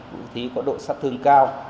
vũ khí có độ sát thương cao